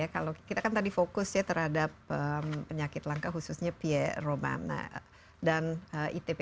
kalau kita kan tadi fokus ya terhadap penyakit langka khususnya pier roman dan itp